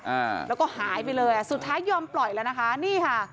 อ่าแล้วก็หายไปเลยอ่ะสุดท้ายยอมปล่อยแล้วนะคะนี่ค่ะ